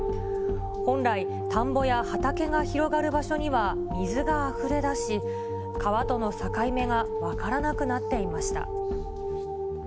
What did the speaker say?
本来、田んぼや畑が広がる場所には水があふれ出し、川との境目が分からなくなっていました。